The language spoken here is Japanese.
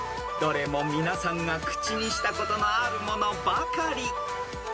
［どれも皆さんが口にしたことのあるものばかり］